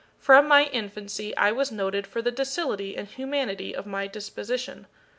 From my infancy I was noted for the docility and humanity of my disposition.